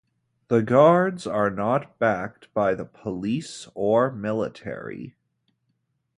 The guards are not backed by the police or military.